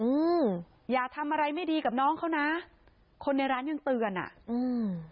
อืมอย่าทำอะไรไม่ดีกับน้องเขานะคนในร้านยังเตือนอ่ะอืม